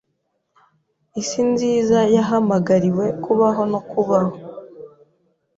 Isi nziza yahamagariwe kubaho no kubaho